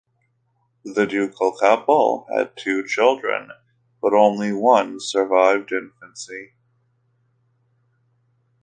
The ducal couple had two children, but only one survived infancy.